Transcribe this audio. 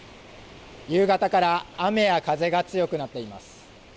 夕方から雨や風が強くなっています。